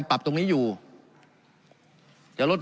การปรับปรุงทางพื้นฐานสนามบิน